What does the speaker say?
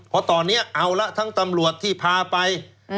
เพราะตอนเนี่ยเอาแล้วทั้งทำรวจที่ผ่าไป